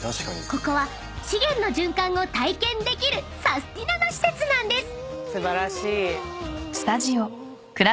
［ここは資源の循環を体験できるサスティなな施設なんです］